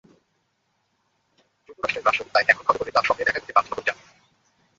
যুক্তরাষ্ট্রের রাষ্ট্রদূত তাই এখন ঘটা করেই তাঁর সঙ্গে দেখা করতে গান্ধীনগর যান।